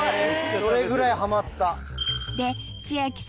それぐらいハマった。